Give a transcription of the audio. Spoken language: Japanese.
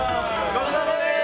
ごちそうさまです！